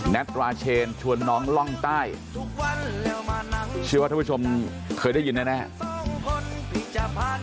ตราเชนชวนน้องล่องใต้เชื่อว่าท่านผู้ชมเคยได้ยินแน่